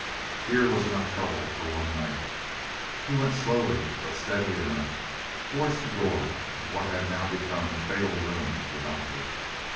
Here was enough trouble for one night. He went slowly, but steadily enough, towards the door of what had now become a fatal room to the doctor.